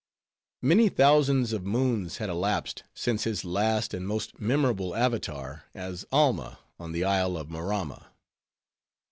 Many thousands of moons had elasped since his last and most memorable avatar, as Alma on the isle of Maramma.